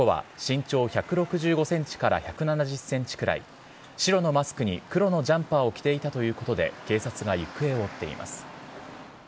男は身長１６５センチから１７０センチくらい、白のマスクに黒のジャンパーを着ていたということで、警察が行方を追っています。